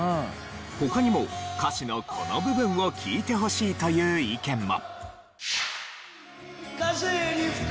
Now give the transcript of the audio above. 他にも歌詞のこの部分を聴いてほしいという意見も。